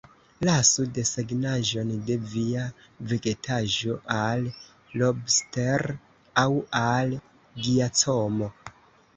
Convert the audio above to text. Lasu desegnaĵon de via vegetaĵo al Lobster aŭ al Giacomo.